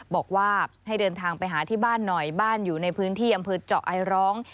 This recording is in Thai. บอกว่าให้เดินทางไปหาที่บ้านหน่อยบ้านอยู่ในพื้นที่อำเภอเจาะไอร้อง